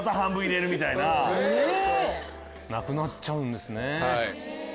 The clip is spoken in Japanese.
なくなっちゃうんですね。